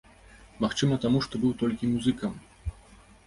Магчыма таму, што быў толькі музыкам.